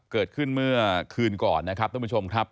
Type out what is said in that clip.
เกิดขึ้นเมื่อคืนก่อนนะครับท่านผู้ชมครับ